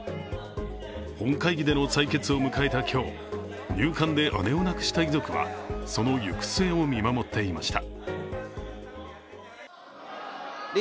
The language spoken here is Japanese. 本会議での採決を迎えた今日、入管で姉を亡くした遺族はその行く末を見守っていました。